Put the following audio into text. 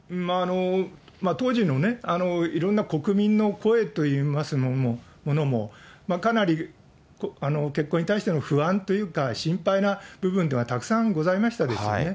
当時のいろんな国民の声といいますものも、かなり結婚に対しての不安というか、心配な部分ではたくさんございましたですよね。